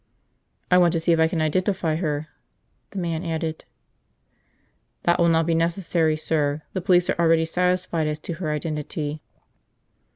"I want to see if I can identify her," the man added. "That will not be necessary, sir. The police are already satisfied as to her identity."